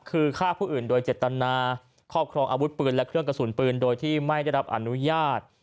คือฆ่าผู้อื่นโดยเจตนาครอบครองอาวุธปืนและเครื่องกระสุนปืนโดยที่ไม่ได้รับอนุญาต